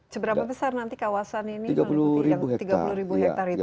seberapa besar nanti kawasan ini